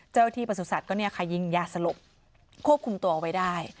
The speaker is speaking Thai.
เจ้าที่ประสุทธิ์ก็ยิงยาสลบควบคุมตัวเอาไว้ได้